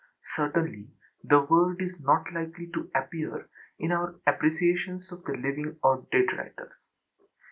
Certainly the word is not likely to appear in our appreciations of living or dead writers.